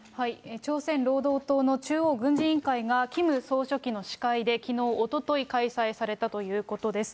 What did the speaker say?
朝鮮労働党の中央軍事委員会がキム総書記の司会できのう、おととい開催されたということです。